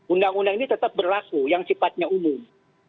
undang undang ini tetap berlaku yang sifatnya umum